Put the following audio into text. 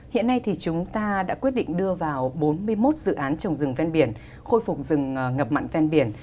hiện nay thì chúng ta đã quyết định đưa vào bốn mươi một dự án trồng rừng ven biển khôi phục rừng ngập mặn ven biển